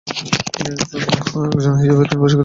তিনি একজন চিকিৎসক হিসেবে তিনি প্রশিক্ষিত হন।